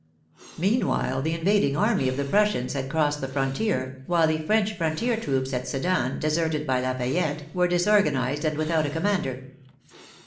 Meanwhile the invading army of the Prussians had crossed the frontier, while the French frontier troops at Sedan, deserted by Lafayette, were disorganized, and without a commander.